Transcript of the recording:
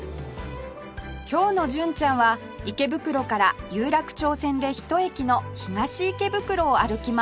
今日の純ちゃんは池袋から有楽町線で１駅の東池袋を歩きます